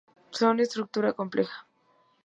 Son de estructura compleja.